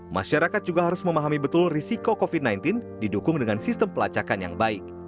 masyarakat juga harus memahami betul risiko covid sembilan belas didukung dengan sistem pelacakan yang baik